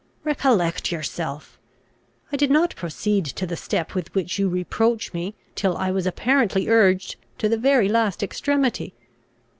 Recollect yourself! I did not proceed to the step with which you reproach me, till I was apparently urged to the very last extremity.